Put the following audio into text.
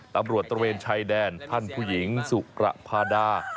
ตำรวจตระเวนชายแดนท่านผู้หญิงสุขภาษา